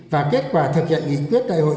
và kết quả thực hiện nghị quyết đại hội